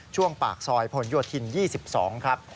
ช่วงปากซอยผลโยธิน๒๒ครับ